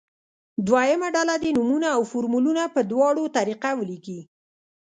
دویمه ډله دې نومونه او فورمولونه په دواړو طریقه ولیکي.